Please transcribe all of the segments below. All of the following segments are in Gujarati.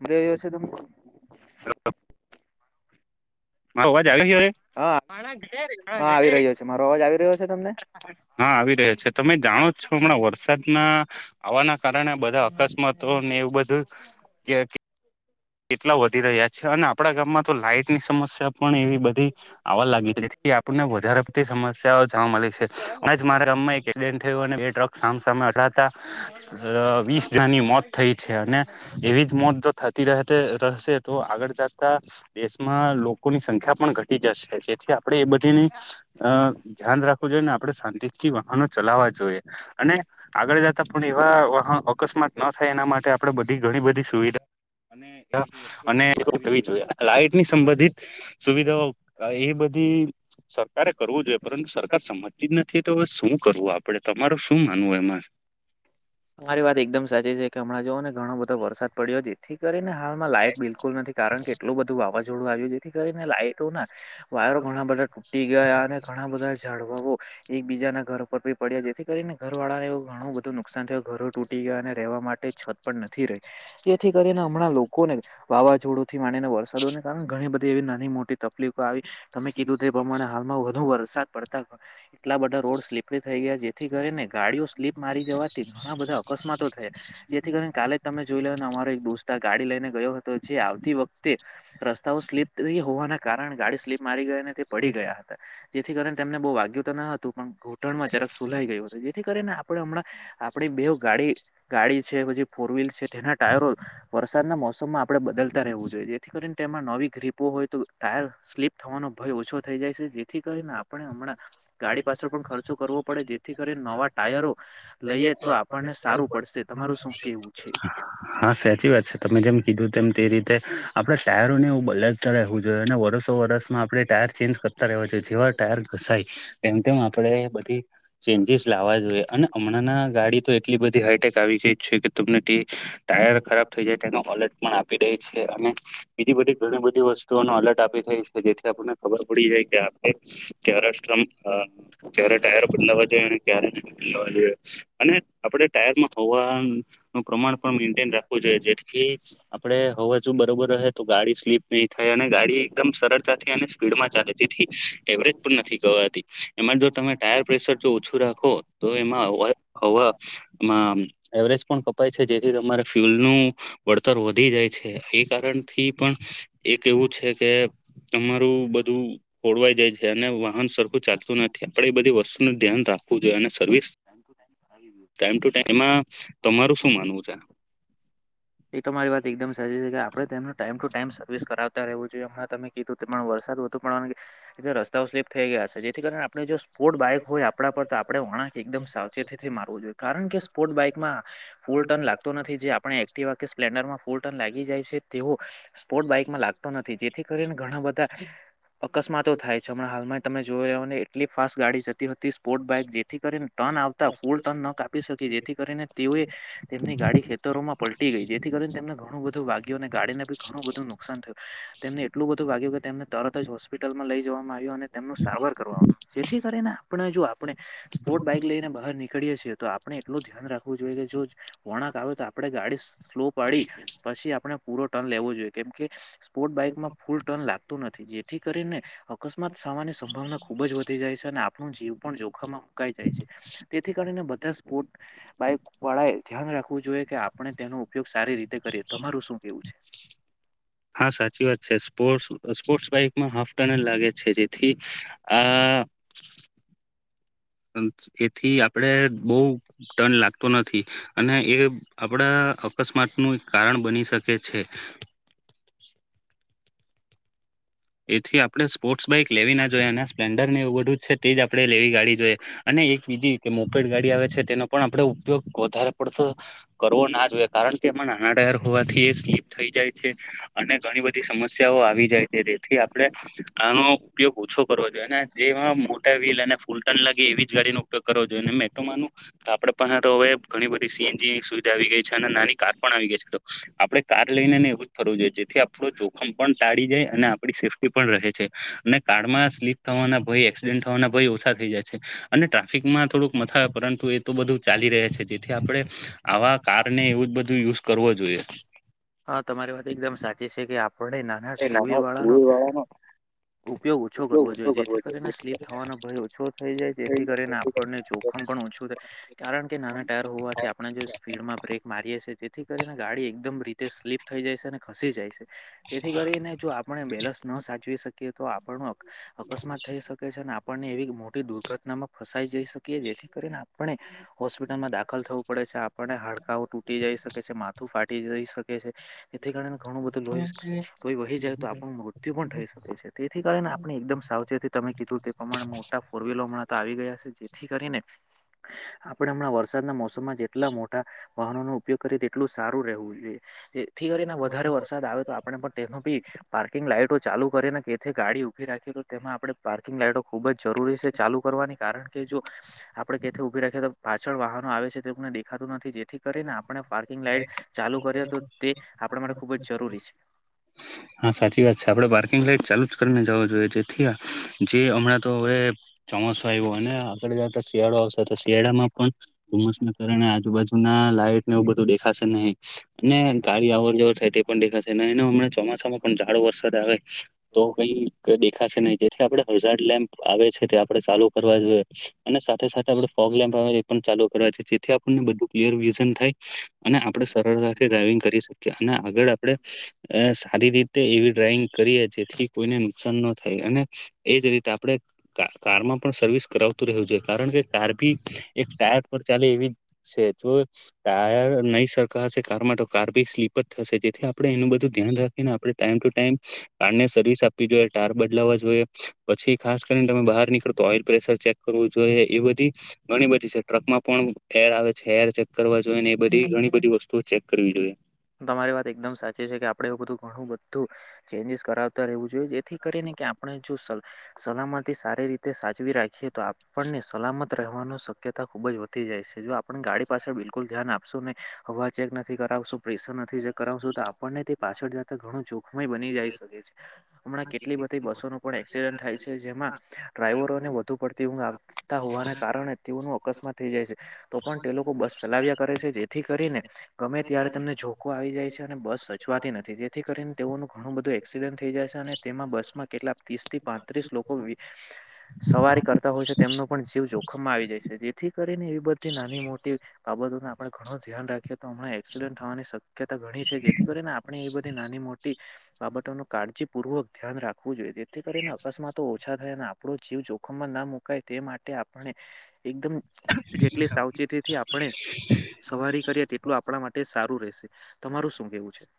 મજા આઈ હશે તમ [inaudible] મારો અવાજ આવે છે હવે [unintelligible] હા આવી રહ્યો છે તમે જાણો જ છો હમણા વરસાદના આવાના કારણે બધા અકસ્માતોને એવું બધુ કે કેટલા વધી રહ્યા છે અને આપડા ગામમા તો લાઈટ ની સમસ પણ એવી બધી આવા લાગી જેથી આપણને વધારે પડતી સમસ્યા જોવા મલે છે અને જ મારાં ગામ મા એક્સિડન્ટ થયું અને બે ટ્રક સામસામે અથડાતા વીસ અ જણાની મોત થઈ છે અને એવી જ મોત થતી રહેતે રહેશે તો આગળ જાતા દેશમાં લોકો પુરી સંખ્યા પણ ઘટી જશે જેથી આપડે એ બધી ની અ ધ્યાન રાખવુ જોઈએ ને આપડે શાંતિથી વાહનો ચ લાવા જોઈએ અને આગળ જતા પણ એવા વહા અકસ્માત ન થાય એના માટે આપડે બધી ઘણી [inaudible] અને [inaudible] થવી જોઈએ લાઈટ ની સંબંધિત સુવિધાઓ એ બધી સરકારે કરવું જોઈએ પરંતુ સરકાર સમજતી જ નથી તો હવે શું કરવું આપડે તમાર શું માનવું એમા [inaudible] તમારી વાત એકદમ સાચી છે કે હમણાં જો અને ઘણો બધો વરસાદ પડ્યો જેથી કરીને હાલમા લાઈટ બિલકુલ નથી કારણ કે એટલું બધું વાવાઝોડું આવ્યી ગયુ થી કરીને લાાઈટો ના વાયરો ઘણા બધા તૂટી ગયા અને ઘણા બધા ઝાળવાઓ એક બીજાના ઘર ઉપર બી પડ્યા જેથી કરીને ઘરવાળા ઘણુ બધું નુકસાન થયું ઘરો તૂટી ગયા અને રેહવા માટે છત પણ નથી રહી. જેથી કરીને હમણાં લોકોને વાવાઝોડું થી માડીને વરસાદોને કારણે ઘણી બધી એવી નાની મોટી તફ્લીક આવી તમે કીધું તે પ્રમાણે હાલમાં વધુ વરસાદ પડતા એટલા બધા રોડ સ્લીપરી થઈ ગયા જેથી કરીને ગાડીઓ સ્લીપ મારી જવાથી ઘણા બધા અકસ્માતો થ જેથી કરીને કાલે જ તમે જોઈ લોને અમારો એક દોસ્તાર ગાડી લઈને ગયો હતો જે આવતી વખતે રસ્ સ્તાઓ સ્લીપ હોવાના કારણે ગાડી સ્લીપ મારી ગયા ને તે પડી ગયા હતા જેથી કરીણે તેમને બહુ વાગ્યું તો ન હતું પણ ઘૂંટણમાં જરાક સુલાઈ ગયું હવે જેથી કરીને આપડે હમણાં આપડી બેવ ગાડી ગાડી છે, પછી ફોરવીલ છે તેના ટાયરો વરસાદના મોસમમાં આપણે બદલતા રહેવું જોઈએ જેથી કરીને તેમાં નવી ગ્રીપો હોય તો ટાયર થવાનો ભય ઓછો થઈ જાય છે જે થી કરીને આપણે હમણાં ગાડી પાછળ પણ ખર્ચો કરવો પડે જેથી કરીને નવા ટાયરો લઈએ હા સાચી વાત છે, તમે જેમ કીધું તેમ તે રીતે આપડા ટાયરો ને એવ બલતા રહેવું જોયે ને વરસો વરસ આપણે ટાયર ચેન્જ કરતા રહેવા જોઈએ. ટાયર ઘસાય તેમ- તેમ આપણે બધી ચેન્જીસ લાવવા જોઈએ, અને હમણાં ના ગાડી તો એટલી બધી હાઈટેક આવી ગઈ છે, કે તમને તે ટાયર ખરાબ થઈ જાય તેનો અલર્ટ પણ આપી દે છે. અને બીજી બધી ઘણી બધી વસ્તુઓ નો અલર્ટ આપે જેથી આપણને ખબર પડી જાય કે આપ ક્યારે સ્ટ્રમપ અ ક્યારે ટાયરો બદલાવા જોઈએ, અને ક્યારે ન બદલાવા જોઈએ. અને આપણે ટાયર માં હવા. નું પ્રમાણ પણ મેન્ટેન રાખવું જોઈએ, જેથીથી આપણે હવા જો બરોબર રહે તો ગાડી સ્લીપ નહી થાય. અને ગાડી એકદમ સરળતાથી અને સ્પીડ માં ચાલે જેથી. એવરેજ પણ નથી ગવાતી એમાં જો તમે ટાયર પ્રેશર જો ઓછું રાખો તો એમાં અવાજ હવા માં એવરેજ પણ કપાય છે, જેથી તમારે ફ્યુલ નું વળતર વધી જાય. છે એ કારણથી પણ એક એવું છે, કે તમારું બધું ઓળવાઈ જાય છે, અને વાહન સરખું ચાલતું નથી આપણેે એ બધી વસ્તુનું ધ્યાન રાખવું જોઈએ અને સર્વિસ ટાઈમ ટુ ટાઈમમાં તમારું શું માનવું છે? એ તો મારી વાત એકદમ કે આપણે તેનો ટાઈમ ટુ ટાઈમ સર્વિસ કરાવતા રહેવું જોઈએ, હમણા તમે કીધું તે પણ વરસાદ વધુું પણ એ રસ્તાઓ સ્લીપ થઈ ગયા છે, જેથી કારણે આપણે જો સ્પોર્ટ બાઈક હોય આપણા પર આપડણે વળંક એકદમ સાવ ચેથી મારવું જોઈએ કારણ કે સ્પોર્ટ બાઈકમાં ફૂલ ટર્ન લાગતો નથી, જે આપણે એક્ટ કે સ્પ્ન્ડરમાં ફરી લાગી જાય છે તેવો સ્પોર્ટ બાઈકમાં લાગતો નથી જેથી કરીને ઘણા બધા અકસ્માતો થાય છે હાલમાં તમે જોઈ રહી ને એટલી ફાસ્ટ ગાડી છે. હતી સ્પોર્ટ બાઈક જેથી કરીને ટર્ન આવતા ફૂલ ટર્ન ન કાપી શકી, જેથી કરીને તેઓએ તેમની ગાડી ખેતરોમાં પલટી ગઈ જેથી કરીને તેમને ઘણું બધું વાગ્યું અને ગાડીને ઘણું બધું નુકસાન થયું. તેમને એટલું બધું વાગ્યું કે તેમને તરત જ હોસ્પિટલમાં લઈ જવામાં આવ્યું, અને તેમનું સારવાર કરવાનું જેથી કરીને આપણે જો આપણે સ્પોર્ટ બાઈક લઈને બહાર નીકળીએ છીએ. તો આપણે એટલું ધ્યાન રાખવું જોઈએ, કે જો વણાંક આવે તો આપણે ગાડી સ સ્લો પાડી પછી આપણે પૂરો ટર્ન લેવો જોઈએ, કેમ કે સ્પોર્ટ બાઈકમાં ફૂલ ટર્ન લાગતો નથી. જેથી કરીને અકસ્માત થવાની સંભાવના ખુબ જ વધી જાય છે, અને આપણું જીવ પણ જોખમાં જાય છે તેથી કાર બધા સ્પોટ બાઈક વાળાએ ધ્યાન રાખવું જોઈએ, કે આપણે તેનો ઉપયોગ સારી રીતે કરીએ તમારું શું કેવું છે? હા સાચી વાત છે, સ્પોર્ટ્સ સ્પોર્ટ્સ બાઈકમાં હાફ ટનલ લાગે છે, જેથી આ. [inaudible] એથી આપડે બહું ટન લાગતો નથી, અને એ આપડા. અકસ્માત નું એક કારણ બની શકે છે. એથી આપણે સ્પોર્ટ્સ બાઈક લેવી ના જોઈએ, અને સ્પ્લેન્ડર ને એવું બધું જ છે, તે જ આપડે લેવી ગાડી જોઈએ અને એકીધ કે મોપેડ ગાડી આવે છે તેનો પણ આપડે ઉપયોગ વધારે પડતો કરવો ના જોઈએ કારણ તેમાં નાના ટાયર હોવાથી એ સ્લીપ થઈ જાય છે, અને ઘણી બધી સમસ્યાઓ આવી જાય છે, તે. થી આપણે આનો ઉપયોગ ઓછો કરવો જોઈએ જેમાં મોટા વ્હીલ અને ફૂલટન લાગી એવી જ ઉપગો જો મે માનું આપે પાસે હવે ઘણી બધી સીએનજીની સુવિધા આવી ગઈ છે અને નાની આવી ગ તો આપણે કાર લઈને ને એવું જ થરવું જોઈએ જેથી આપડો જોખમ પણ ટાળી જાય અને સેફ્ટી પણ રહે છે, અને કારમાં સ્લીક થવાના ભય એક્સિડેન્ટ થવાના ભય ઓછા થઈ જાય છે, અને ટ્રાફિક માં થોડુંક મથાવે પરંતુ એ તો બધું ચાલી રહ છે, જેથી આપણે આવા કાર ને એવું બ ધૂ યુઝ કરવો જોઈએ. હા તમારી વાત એકદમ સાચી છે, કે આપણે નાના ટુવ્હીલર વાળાનો [unintelligible] ઉપયોગ ઓછો કરવો જોઈએ, જેથી કરીને સ્લીપ થવાનો ભય ઓછો થઈ જાય, જેથી કરીને આપણને જોખ મ પણ ઓછું થાય, કારણ કે નાના ટાયર હોવાથી આપણે જે સ્પીડમાં બ્રેક મારીએ છીએ, તેથી કરીને ગાડી એકદમ રીતે સ્લીપ થઈ જાય છે, અને ખસી જાય છે, તેથી કરીને જો આપણે બેલન્સ ન સાચવી શકીએ, તો આપણે અકસ્માત થઈ શકે છે, અને આપણને એવી મોટી દુર્ઘટનામાં ફસાઈ જઈ શકીએ જેથી કરીને આપણે હોસ્પિટલમાં દાખલ થવું પડે છે આપ પણ હાડકાઓ તૂટી જઈ શકે તેથી તેને ઘણું બધું લોહી લોહી વહી જાય તો આપણું પણ થઈ શકે છે તેથી કારણે આપણે એકદમ સાવચેતી તમે કીધું તે પ્રમાણે મમોટા ફોરવીલર તો આવી ગયા છે જેથી કરીને આપડે હમણાં વરસાદના મોસમમાં જેટલા મોટા વાહનોનો ઉપયોગ કરીએ તેટલું સારું રહેવું જોઈએ. એ થી કરીને વધારે વરસાદ આવે તો આપણે પણ તેમાં બી પાર્કિંગ લાઈટ ટો ચાલુ કરીને કેથી ગાડી ઉભી રાખી તો તેમાં આપણે પાર્કિંગ લાઈટો ખુબ જ જરૂરી છે ચાલુ કરવાની કારણ કે જો આપણે કે થી ઊભી રાખીએ તો પાછળ વાહનો આવે છે તેમને દેખાતું નથી. જેથી કરીને આપણે પાર્કિંગ લાઈટ ચાલુ કરીએ તો તે આપણા માટે ખૂબ જ જરૂરી છે. હા સાચી વાત છે, આપડે પાર્કિંગ લાઈટ ચાલુ જ કરીને જવા જોઈએ છે, જેથી આ જે હમણાં તો હવે ચોમાસો આવ્યો અને આગળ જતા શિયાળો આવશે તો શિયાળામાં પણ. ધુમ્મસ ના કારણે આજુબાજુ. ના લાઈટ ને એવું બધું દેખાશે નહી અને ગાડી અવર જવર થાય તે પણ દેખાશે નહી હમ ચોમા સામાં પણ જાડો વરસાદ આવે તો કઈ દેખાશે નહી જેથી આપણે હજાર લેમ્પ આવે છે, તે આપડે ચાલુ કરવા જોઈએ અને સાથે સાથે આપણે ફોગ લેમ્પ આવે એ પણ ચાલ [unintelligible] છે, જેથી આપણને બધું. ક્લીઅર વિઝન થાય અને આપણે સરળતાથી ડ્રાઈવિંગ કરી શકીએ અને આગળ આપણે સારી રીતે એવી ડ્રોઇંગ કરીએ જેથી કોઈને નુકસાન ન થાય અને. એજ રીતે આપણે [unintelligible] કારમાં પણ સર્વિસ કરાવતું રહેવું જોઈએ કારણ કે કાર ભી એક ચાલી એવી છે. જો ટાયર નહી સરખા હશે કારમાં તો કાર બી સ્લીપ જ થશે જેથી આપડે એનું બધું ધ્યાન રાખ આપણે ટાઈમ ટુ ટાઈમ કારને સર્વિસ આપવી જોઈએ ટાયર બદલાવા જોઈએ. પછી ખાસ કરીને તમે બહાર નીકળો ઓઈલ પ્રેશર ચેક કરવું જોઈએ એ બધી ઘણી બધી છે ટ્રક પણ એર આવે છે એર ચેક કરવા જોઈએ ને એ બધી ઘણી બધી વસ્તુ ચેક કરવી જોઈએ. તમારી વાત એકદમ સાચી છે કે આપડે એ બધું ઘણું બધું. ચેન્જીસ કરાવતા રહેવું જોઈએ જેથી કરીને આપ આપ જો સલામતી સારી રીતે સાચવી રાખીએ તો આપણને સલામત રહેવાનું શક્યતા ખુબ જ વધી જાય છે, જો આપ ગાડી પાસે બિલકુલ ધ્યાન આપશું ને હવા ચેક નથી કરાવશું. પ્રેશર નથી જે કરાવશો તો આપણને તે પાછળ જતા ઘણું જો. સમય બની જાય શકે છે, હમણાં કેટલી બધી પણ એકસીડન્ટ થાય છે, જેમાં ડ્રાઈવરોને વધુ પડતી ઊંઘ આવતા હોવાના કારણે તેઓ. અકસ્માત થઈ જાય છે, તો પણ તે લોકો બસ ચલાવ્યા કરે છે, જેથી કરીને ગમે ત્યારે તેમને જોકો આવી જાય છે, અને બસ સચવાતી નથી જેથી કરીને તેઓનું ઘણું બધું એક્સિડન્ટ થઈ જાય છે, અને તેમાં બસમાં. કેટલા ત્રીસ થી પાંત્રીસ લોકો વે સવારી કરતા હોય છે, તેમનો પણ જીવ જોખમમાં આવી જાય છે, જેથી કરીને એવી બધી નાની મોટી. બાબતો નો આપણે ઘણું ધ્યાન રાખીએ તો હમણાં એક્સિડન્ટ થવાની શક્યતા ઘણી છે, જેથી કરીને આપણે એ બધી નાની. બાબતો ન કાળજીપૂર્વક ધ્યાન રાખવું જોઈએ જેથી કરીને અકસ્માતો ઓછા થાય. આપણો જીવ જોખમમાં ના મુકાય તે માટે આપણે એકદમ. જેટલી સાવચેતી થી આપણે સવારી કરીએ તેટલું આપણા માટે સારું રહેશે. તમારું શું કેવું છે.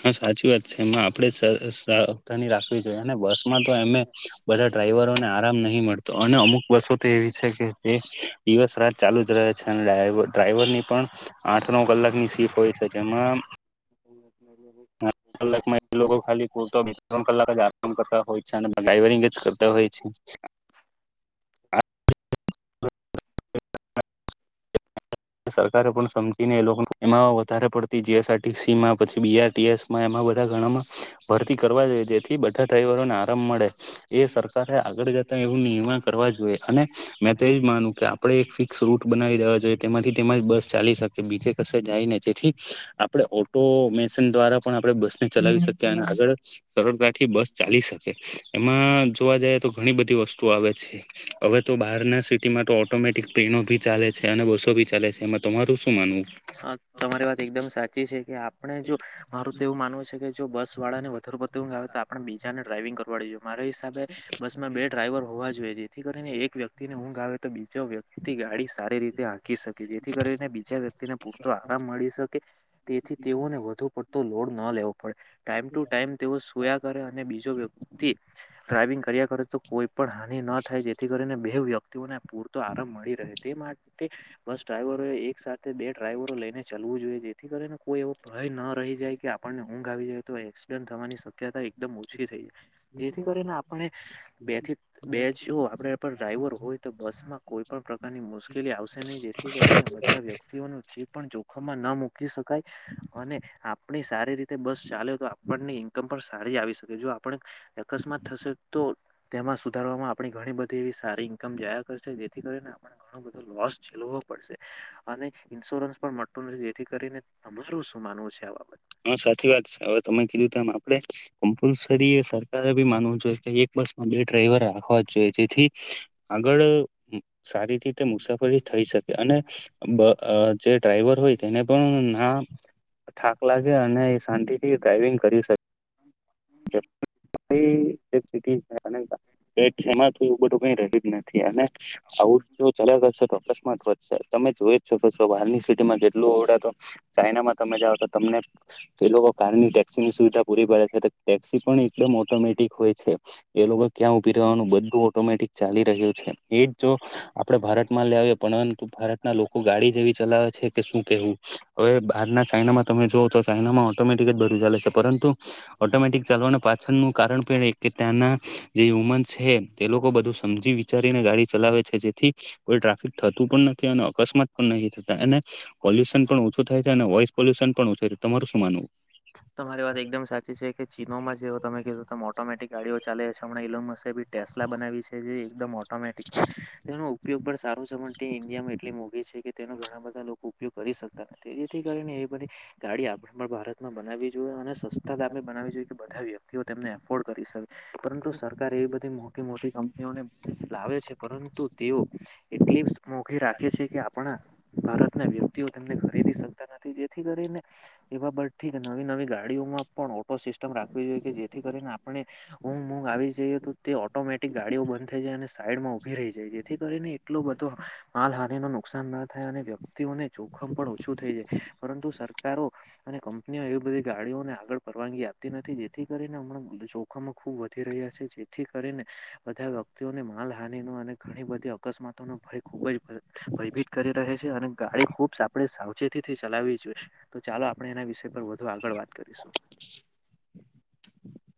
હા સાચી વાત છે, એમાં આપણે [unintelligible] સાવધાની રાખશું. અને બસમાં તો એમે બધા ડ્રાઈવરોને આરામ નહી મળતો અને અમુક બસો તો એવી છે, કે તે જ દિવસ રાત ચાલુ જ રહે છે, અને ડ્રાઈવ ડ્રાઈવર ની પણ આઠ નવ કલાક ની સિફ્ટ હોય છે. જેમાં. કલાક માં એ લોકો ખાલી પૂરતો ત્રણ કલાક જ આ કરતા હોય છે અને ડ્રાઇવિંગ કરતા હોય છે હા સરકારે પણ સમજીને એ લોકો એમાં વધારે પડતી જીએસઆરટીસી માં પછી બીઆરટીએસમાં એમાં બીજા ગણામાં ભરતી કરવા જોઈએ જેથી બધા ડ્રાઈવરોને આરામ મળે એ સરકારે આગળ જતા એવું નિર્માણ કર મે તો આપ એક ફિકસ રૂટ બનાવી દે જોઈએ. જ બસ ચાલી શકે બીજ ક જાયને જેથી આપણે ઓટો મેશન દ્વારા પણ આપ બસ ચલાવી શક અને આગળ સરળકાઠી બસ ચાલી શકે એમાં જોવા જઈએ તો ઘણી બધી વ આવે છે હવે તો બહાર ના સિટીમાં તો ઓટોમેટિક ટ્રેનો ભી ચાલે છે અને બ ભી ચાલે છે એમાં તમારું શું માનવું આપણે જો મારું તો એવું માનવું છે કે જો બસ વાળાને વધારે પવું આવે તો આપણે બીજાને ડ્રાઈવિંગ કરવાડડી જોએ. મારા હિસાબે બસ માં બે ડ્રાઈવર હોવા જોઈએ જેથી કરીને એક વ્યક્તિને હું આવે તો બીજો વ્યક્તિ ગાડી સારી રીતે કે જેથી કરીને બીજા વ્યક્તિને પૂરતો આરામ મળી શકે તેથી તેઓને વધુ પ તો લોડ ન લેવો પડે ટાઈમ ટુ ટાઈમ તેઓ સુયા કરે અને બીજો વ્યક્તિ. ડ્રાઈવિંગ કર્યા કરે તો કોઈ પણ હાનિ ન થાય જેથી કરીને બે વ્યક્તિ ને પૂરતો આરામ મળી રહે તે માટે બસ ડ્રાઈવરો એક સાથે બે ડ્રાઈવરો લઈને ચ જોઈએ જેથી કરીને કોઈ એવો ભય ન રહી જાય કે આપણને. ઊંઘ આવી જાય તો એક્સિડન્ટ થવાની શક્યતા એકદમ ઓછી થઈ જાય. જેથી કરીને આપણે બે થી બે જો આપણે ડ્રાઈવર હોય તો બસમાં. કોઈપણ પ્રકારની મુશ્કેલી આવશે નહીં જેથી કરીને બધા વ્યક્તિઓનું ચીત પણ જોખમમાં ન મૂકી શકાય અને આપણી સારી રીતે. બસ ચાલે તો આપની ઈન્કમ પણ સારી આવી શકે જો આપ અકસ્માત થશે તો. માં સુધારવામાં આપણી ઘણી બધી એવી સારી ઇન્કમ જાયા કરશે જેથી કરીને આપણે ઘણો બધો લોસ ઝીલવો પડશે. અને ઇન્સ્યોરન્સ પણ મળતું નથી જેથી કરીને તમારું શું માનવું છે આવા બ હા સાચી વાત છે હવે તમે કીધું તમ આપડે કમ્પલસરી એ સરકારે બી માનવું જોઈએ કે એક બસમાં બે ડ્રાઈવર રાખવા જોઈએ જેથી આગળ સારી તે મુસાફરી થઈ શકે અને જે ડ્રાઈવર હોય તેને પણ ના. થઠાક લાગે અને શાંતિથી ડ્રાઈવિંગ કરી શકે. એ બધું કઈ રહી જ નથી અને આવું. ચાલ કરશે તો અકસ્માત વધશે તમે જોઈ જ છો કે જો બારની સિટીમાં જેટલું આવવડ તો ચાઈનામાં તમે જઓ તો તમને એ લોકો કારની ટેક્સી ની સુવિધા પૂરી પડે છે. ટેક્સી પણ એકદમ ઓટોમેટિક હોય છે એ લોકો ક્યાં ઉભી રવાનું બધું ઓટોમેટિક ચાલી રહ્યું છે. એ જો. આપડે ભારત માં લે આવીએ પણંતુ ભારતના લોકો ગાડી જેવી ચલાવે છે કે શું કેવું હવે બાર ચાઈનામાં તમે જો તો ચાાઈનામાં ઓટોમેટિક જ દર ચાલે છે પરંતુ. ઓટોમેટિક ચાલવાના પાછળનુંું કારણ પણ એક કે ત્યાંના જે વુમન છે તે લોકો બધું સમજી વિચારીને ગાડી ચલાવે છે. જેથી કોઈ ટ્રાફિક થતું પણ નથી અને અકસ્માત પણ ન થતા અને પોલ્યુશન પણ ઓછું થાય. વોઈસ પોલ્યુશન પણ ઓ છે તમારું શું માનવું તમારી વાત એકદમ સાચી છે કે. ચીનોમાં જે તમે કીધો તમે ઓટોમેટિક ગાડીઓ ચાલે છે હમં ઈલોનમસ એ ટેસ્લા બનાવી છે જે એકદમ ઓટોમેટિક છે. ઉપયોગ પણ સારો જમનટી ઇન્ડિયામાં એટલી મોઘી છે કે તેનો ઘણા બધા લોકો ઉપયોગ કરી શકતા નથી તે જેથી કરીને. એ બધી ગાડી આપ ભારતમાં બનાવી જોઈએ અને રસ્તાદ આપણે બનાવી જોઈએ કે બધા વ્યક્તિઓ તેમને એફોર્ડ કરી શકે. પરંતુ સરકાર એવી બધી મોટી મોટી કંપનીઓને લાવે છે પરંતુ. એટલી મોઘી રાખે છે કે આપણા ભારતના વ્યક્તિ ને ખરીદી શકતા નથી જેથી કરીને એવા બ થી નવી નવી ગાડીઓમાં પણ ઓટો શિક જેથી કરીને આપણે ઊઘ ઊઘ આવી જઈએ તો તે ઓટોમેટિક ગાડીઓ બંધ થઈ જાય. સાઈડ માં ઉભી રહી જાય છે. જેથી કરીને એટલો બધો માલહની નો ઢનુકસાન ના થાય અને વ્યક્તિઓને જોખમ પણ ઓછું થઈ જાય. પરંતુ સરકારો અને કંપનીઓ એવી બધી ગાડીઓને આગળ પરવાનગી આપતી નથી જેથી કરીને હમણાં જોખમ ખૂબ વધી રહ્યા છે જેથી કરીને બધા વ્યક્તિઓને માલહાનિ નો અને ઘણી બધી અકસ્માતો નો ભય ખૂબ જ ભય ભયભીત કરી રહે છે અને ગાડી ખુબ આપણે સાવચેતી થી ચલાવી જોઈએ તો ચાલો આપણે એના વિષય પર વધુ આગળ વાત કરીશું [inaudible]